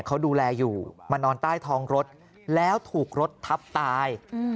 เขาดูแลอยู่มานอนใต้ท้องรถแล้วถูกรถทับตาย